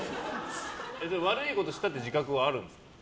悪いことしたって自覚はあるんですか？